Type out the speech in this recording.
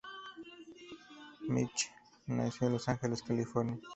Mitchell nació en Los Ángeles, California.